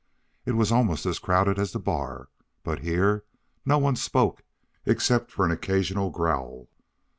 It was almost as crowded as the bar, but here no one spoke except for an occasional growl.